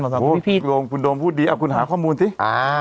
เหมือนแบบพี่พี่โดมคุณโดมพูดดีเอาคุณหาข้อมูลสิอ่า